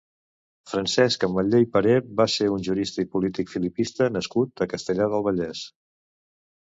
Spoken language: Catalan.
Francesc Ametller i Perer va ser un jurista i polític filipista nascut a Castellar del Vallès.